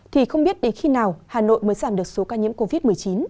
thì không biết đến khi nào hà nội mới giảm được số ca nhiễm covid một mươi chín